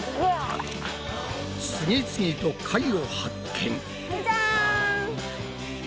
次々と貝を発見！